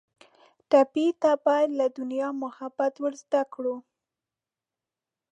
ټپي ته باید له دنیا محبت ور زده کړو.